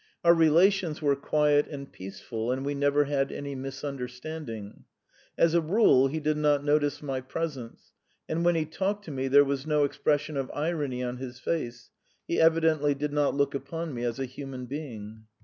Our relations were quiet and peaceful, and we never had any misunderstanding. As a rule he did not notice my presence, and when he talked to me there was no expression of irony on his face he evidently did not look upon me as a human being.